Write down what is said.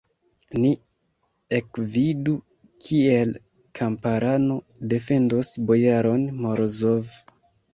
Ni ekvidu, kiel kamparano defendos bojaron Morozov!